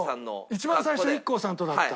一番最初ＩＫＫＯさんとだった。